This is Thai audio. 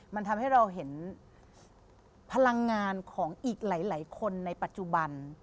มันทำให้เราเห็นพลังงานของอีกหลายคนในปัจจุบัน